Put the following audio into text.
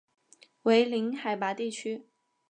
为零海拔地区。